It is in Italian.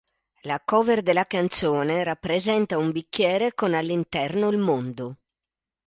La cover della canzone rappresenta un bicchiere con all'interno il mondo.